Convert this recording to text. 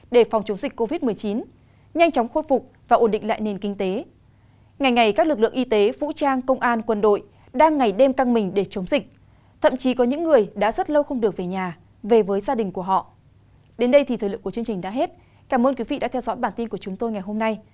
đến đây thì thời lượng của chương trình đã hết cảm ơn quý vị đã theo dõi bản tin của chúng tôi ngày hôm nay